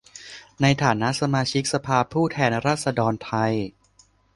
ในฐานะสมาชิกสภาผู้แทนราษฎรไทย